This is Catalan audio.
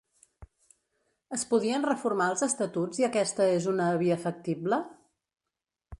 Es podien reformar els estatuts i aquesta és una via factible?